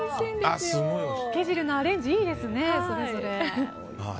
つけ汁のアレンジいいですねそれぞれ。